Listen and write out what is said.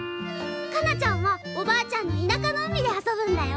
かなちゃんはおばあちゃんの田舎の海で遊ぶんだよ。